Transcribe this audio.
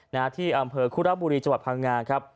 ในอาทิตย์อำเภอคุรบุรีจังหวัดพังงาครับ